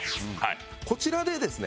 こちらでですね